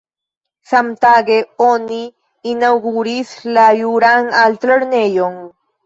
Samtage oni inaŭguris la Juran Altlernejon.